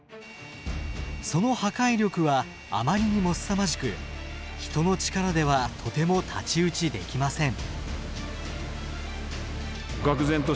その破壊力はあまりにもすさまじく人の力ではとても太刀打ちできません。